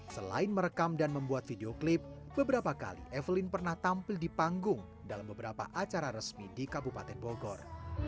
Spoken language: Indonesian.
selain merekam dan membuat video klip beberapa kali evelyn pernah tampil di panggung dalam beberapa acara resmi di kabupaten bogor